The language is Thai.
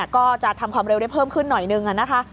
ก็จะทำความเร็วได้เพิ่มขึ้นหน่อยนึงนะคะ